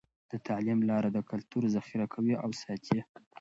د تعلیم لاره د کلتور ذخیره کوي او ساتي.